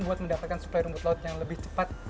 untuk mendapatkan supply rumput laut yang lebih cepat